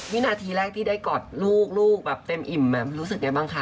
วินาทีแรกที่ได้กอดลูกลูกแบบเต็มอิ่มรู้สึกยังไงบ้างคะ